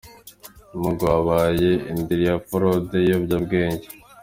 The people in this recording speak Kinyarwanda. Mugu habaye indiri ya forode n’ibiyobyabwenge